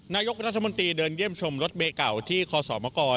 นายกรัฐมนตรีเดินเยี่ยมชมรถเมย์เก่าที่คศมกร